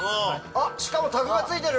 しかもタグが付いてる！